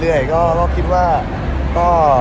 เลยเลยครับเรื่อย